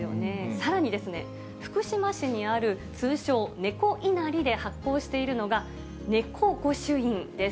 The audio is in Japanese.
さらに、福島市にある通称、ねこ稲荷で発行しているのが、ネコご朱印です。